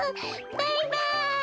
バイバイ！